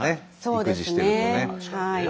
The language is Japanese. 育児してるとね。